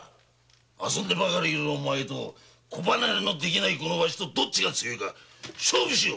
遊んでばかりいるお主と子離れのできぬこのワシとどっちが強いか勝負だ。